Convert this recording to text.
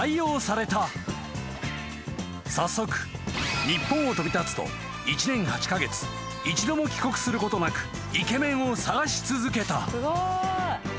［早速日本を飛び立つと１年８カ月一度も帰国することなくイケメンを探し続けた］